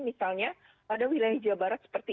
misalnya ada wilayah jawa barat seperti